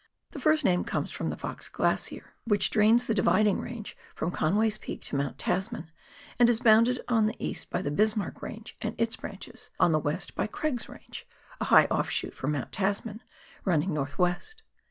The first named comes from the Fox Glacier, which drains the Dividing t COOK RIVER BALFOUR GLACIER. S5 Range from Conway's Peak to Mount Tasman, and Is boundf.d on the east by the Bismarck Range and its branches, on the west by Craig's Range, a high offshoot from Mount Tasman, running north west.